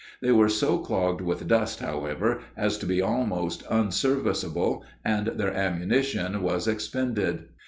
They were so clogged with dust, however, as to be almost unserviceable, and their ammunition was expended.